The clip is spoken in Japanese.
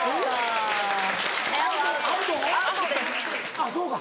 あっそうか